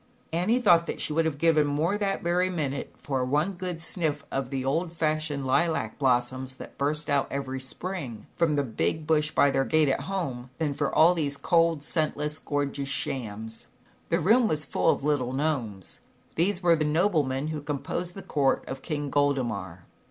Annie thought she would have given more that very minute, for one good sniff of the old fashioned lilac blossoms that burst out every Spring from the big bush by their gate at ZAUBERLINDA, THE WISE WITCH. 133 home, than for all these cold, scentless, gorgeous shams. The room was full of little Gnomes. These were the noblemen who com posed the court of King Goldemar.